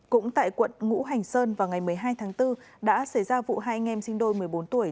cũng tại quận ngũ hành sơn vào ngày một mươi hai tháng bốn đã xảy ra vụ hai anh em sinh đôi một mươi bốn tuổi